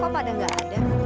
kok pada gak ada